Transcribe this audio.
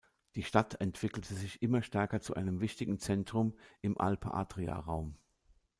Die Stadt entwickelte sich immer stärker zu einem wichtigen Zentrum im Alpe Adria Raum.